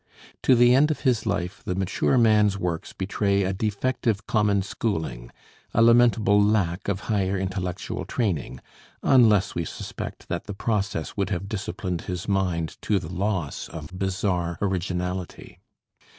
To the end of his life, the mature man's works betray a defective common schooling, a lamentable lack of higher intellectual training unless we suspect that the process would have disciplined his mind, to the loss of bizarre originality.